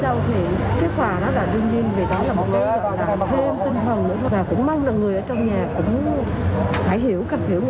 đâu còn nghĩ gì nữa đâu